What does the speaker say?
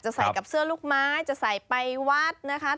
ใส่กับเสื้อลูกไม้จะใส่ไปวัดนะคะ